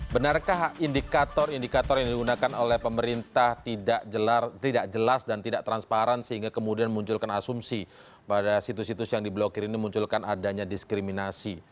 benarkah indikator indikator yang digunakan oleh pemerintah tidak jelas dan tidak transparan sehingga kemudian munculkan asumsi pada situs situs yang diblokir ini munculkan adanya diskriminasi